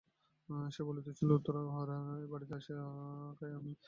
সে বলিতেছিল, কেমন উহারা এ বাড়িতে আসিয়া খায় আমি দেখিব।